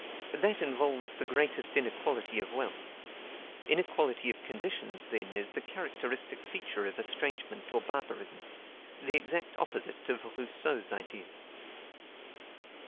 That involves the greatest inequality of wealth. Inequality of conditions, then, is the characteristic feature of estrangement or barbarism: the exact opposite of Rousseau's idea.